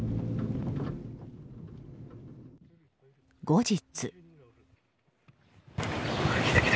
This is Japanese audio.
後日。